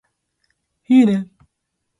いいね